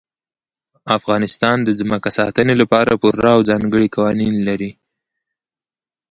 افغانستان د ځمکه د ساتنې لپاره پوره او ځانګړي قوانین لري.